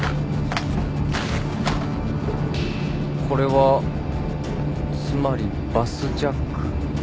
これはつまりバスジャック。